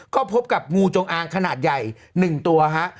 ก็พบกับงูจงอางขนาดใหญ่๑ตัวฮะ